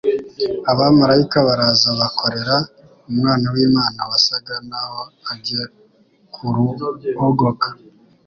Abamalayika baraza bakorera Umwana w'Imana wasaga naho agiye kuruogoka.